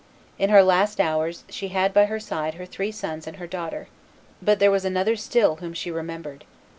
In her last hours she had by her side her three sons and her daughter, but there was another still whom she remembered.